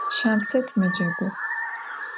Şamset mecegu.